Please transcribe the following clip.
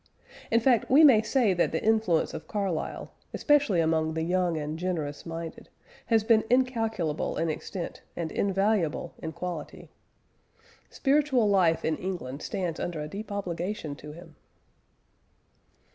In fact we may say that the influence of Carlyle, especially among the young and generous minded, has been incalculable in extent and invaluable in quality. Spiritual life in England stands under a deep obligation to him.